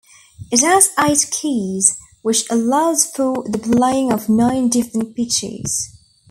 It has eight keys, which allows for the playing of nine different pitches.